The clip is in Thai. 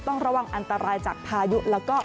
ต้องระวังอันตรายจากพายุแล้วก็